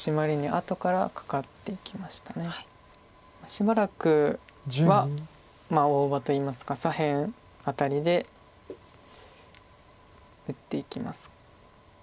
しばらくは大場といいますか左辺あたりで打っていきますかね。